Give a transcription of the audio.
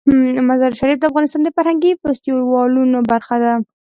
مزارشریف د افغانستان د فرهنګي فستیوالونو برخه ده.